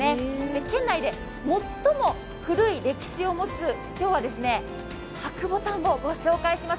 県内で最も古い歴史を持つ、今日は白牡丹をご紹介します。